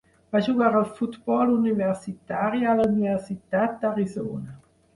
Va jugar a futbol universitari a la Universitat d'Arizona.